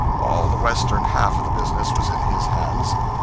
All the western half of the business was in his hands.